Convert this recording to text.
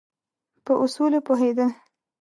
په اصولو پوهېدل.